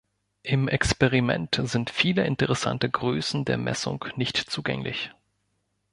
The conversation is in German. Im Experiment sind viele interessante Größen der Messung nicht zugänglich.